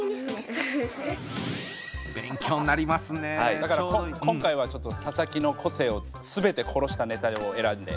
だから今回は佐々木の個性を全て殺したネタを選んで。